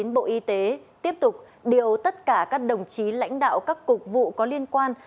bộ y tế tiếp tục điều tất cả các đồng chí lãnh đạo các cục vụ có liên quan